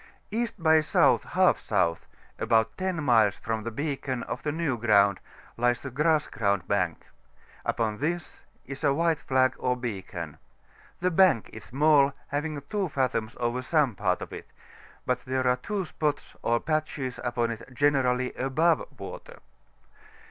E. by S. i S., about 10 miles from the beacon of the New Ground, lies the Grass Ground Bank ; upon this is a white flag or beacon. The bank is small, having 2 fathoms over some part of it; but there are two spots or patches upon it generally above water.